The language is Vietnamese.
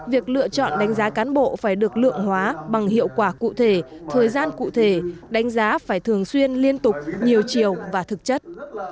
việc lựa chọn đánh giá cán bộ phải được lượng hóa bằng hiệu quả cụ thể thời gian cụ thể đánh giá phải thường xuyên liên tục nhiều chiều và thực chất